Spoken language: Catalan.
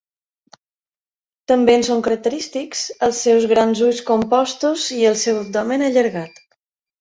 També en són característics els seus grans ulls compostos i el seu abdomen allargat.